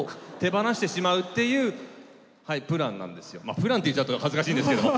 「プラン」って言っちゃうと恥ずかしいんですけども。